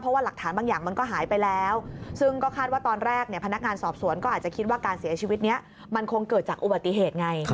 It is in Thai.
เพราะว่าหลักฐานบางอย่างมันก็หายไปแล้วซึ่งก็คาดว่าตอนแรกพนักงานสอบสวนก็อาจจะคิดว่าการเสียชีวิตนี้มันคงเกิดจากอุบัติเหตุไง